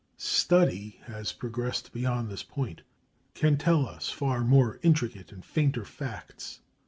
Study has progressed beyond this point, can tell us far more intricate and fainter facts.